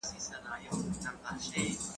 چپنه پاکه کړه